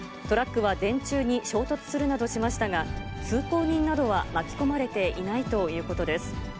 トラックは電柱に衝突するなどしましたが、通行人などは巻き込まれていないということです。